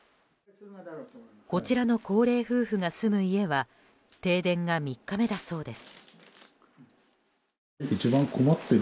こちらの高齢夫婦が住む家は停電が３日目だそうです。